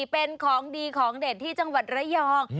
เป็นของดีของเด็ดที่จังหวัดระยอง